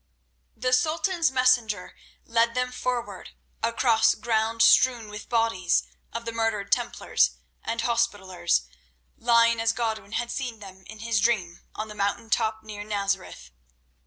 The Sultan's messenger led them forward, across ground strewn with the bodies of the murdered Templars and Hospitallers, lying as Godwin had seen them in his dream on the mountain top near Nazareth.